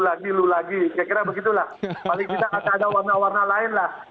paling tidak ada warna warna lainlah